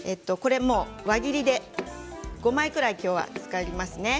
輪切りで５枚ぐらい今日は使いますね。